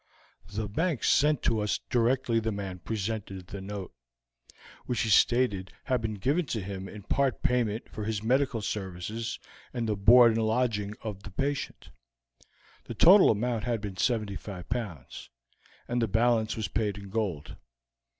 The Bank sent to us directly the man presented the note, which he stated had been given to him in part payment for his medical services and the board and lodging of the patient; the total amount had been 75 pounds, and the balance was paid in gold.